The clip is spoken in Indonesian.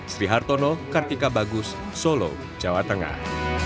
sri hartono kartika bagus solo jawa tengah